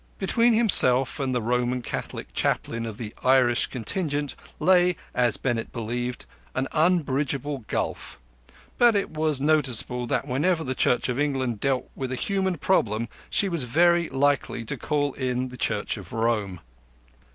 Between himself and the Roman Catholic Chaplain of the Irish contingent lay, as Bennett believed, an unbridgeable gulf, but it was noticeable that whenever the Church of England dealt with a human problem she was very likely to call in the Church of Rome.